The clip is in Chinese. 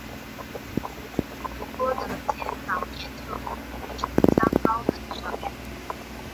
郭德洁早年就读于城厢高等小学。